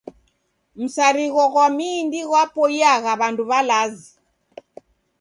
Msarigho gwa mindi gwapoiyagha w'andu w'alazi.